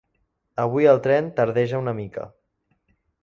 Avui el tren tardeja una mica.